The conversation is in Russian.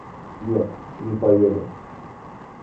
Нет, не поеду.